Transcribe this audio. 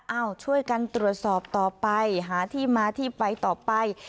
ช่วยกันตรวจสอบต่อไปหาที่มาที่ไปต่อไป